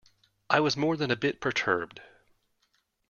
I was more than a bit perturbed.